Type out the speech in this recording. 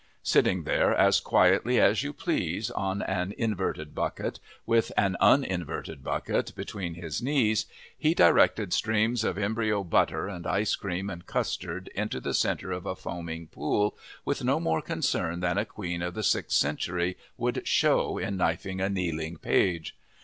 Sitting there as quietly as you please, on an inverted bucket, with an uninverted bucket between his knees, he directed streams of embryo butter and ice cream and custard into the centre of a foaming pool with no more concern than a Queen of the sixth century would show in knifing a kneeling page.